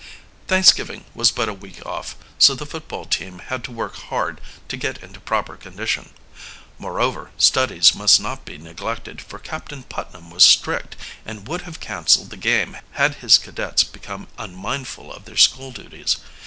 Thanksgiving was but a week off, so the football team had to work hard to get into proper condition. Moreover, studies must not be neglected, for Captain Putnam was strict, and would have canceled the game had his cadets become unmindful of their school duties.